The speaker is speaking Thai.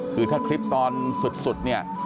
คือถ้าคลิปตอนสุดเนี่ย